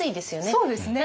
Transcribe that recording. そうですね。